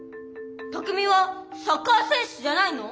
拓海はサッカー選手じゃないの？